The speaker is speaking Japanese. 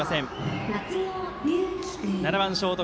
７番、ショート